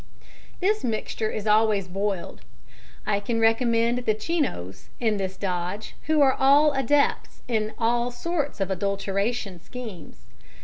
This mixture is always boiled. I can recommend the 'Chinos' in this dodge, who are all adepts in all sorts of 'adulteration' schemes.